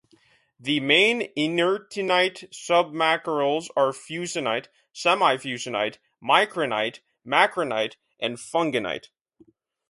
The main inertinite submacerals are fusinite, semifusinite, micrinite, macrinite and funginite.